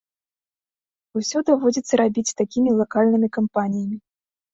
Усё даводзіцца рабіць такімі лакальнымі кампаніямі.